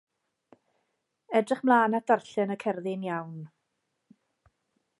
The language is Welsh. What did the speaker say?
Edrych mlaen at ddarllen y cerddi'n iawn.